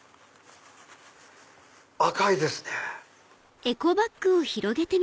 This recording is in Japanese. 赤いですね。